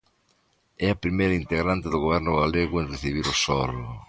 É a primeira integrante do Goberno galego en recibir o soro.